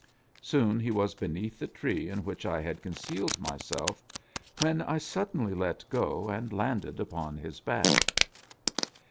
Soon he was beneath the tree in which! had concealed myself, when I suddenly let go, and landed upon his back.